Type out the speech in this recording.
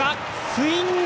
スイング！